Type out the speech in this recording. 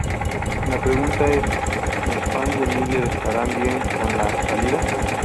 La pregunta es, ¿los fans de Miller estarán bien con la salida?